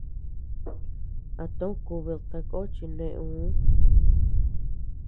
A too kubid tako chi neuu.